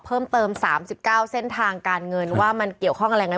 เพิ่มเติมสามสิบเก้าเส้นทางการเงินว่ามันเกี่ยวข้องกับอะไรไง